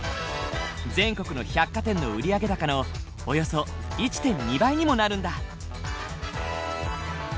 全国の百貨店の売り上げ高のおよそ１．２倍にもなるんだ。